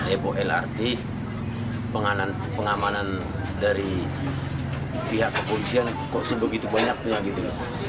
epo lrt pengamanan dari pihak kepolisian kok sebegitu banyak punya gitu